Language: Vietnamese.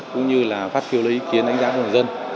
cũng như là phát phiêu lấy ý kiến đánh giá của người dân